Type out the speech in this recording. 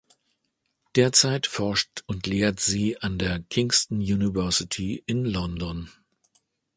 Derzeit forscht und lehrt sie an der Kingston University in London.